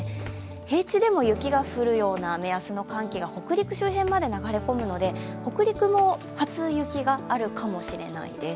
平地でも雪が降るような目安の寒気が北陸周辺まで流れ込むので北陸も初雪があるかもしれないです。